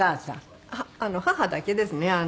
母だけですね。